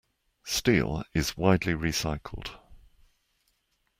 Steel is widely recycled.